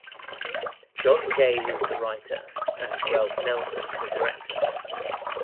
John Gay was the writer and Ralph Nelson the director.